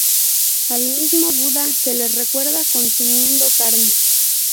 Al mismo Buda se le recuerda consumiendo carne.